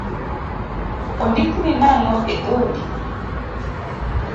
Ondikni nang’o edhodi?